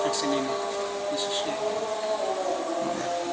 kami sesuai dengan vaksinasi ini